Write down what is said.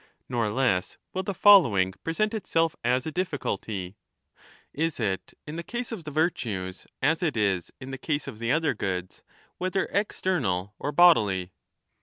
Nor less will the following present itself as a difficulty. Is it in the case of the virtues as it is in the case of the other goods, whether external or bodily